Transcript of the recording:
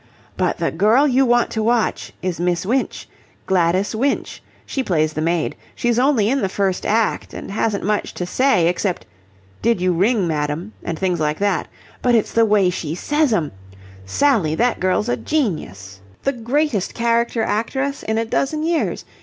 "But the girl you want to watch is Miss Winch. Gladys Winch. She plays the maid. She's only in the first act, and hasn't much to say, except 'Did you ring, madam?' and things like that. But it's the way she says 'em! Sally, that girl's a genius! The greatest character actress in a dozen years!